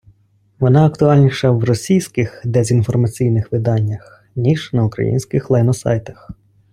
Вона актуальніша в російських дезінформаційних виданнях, ніж на українських лайносайтах.